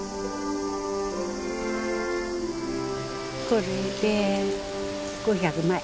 これで５００枚。